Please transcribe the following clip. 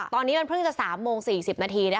ตอนนี้มันเพิ่งจะ๓โมง๔๐นาที